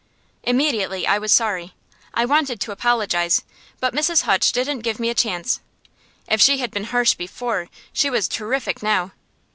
Immediately I was sorry. I wanted to apologize, but Mrs. Hutch didn't give me a chance. If she had been harsh before, she was terrific now.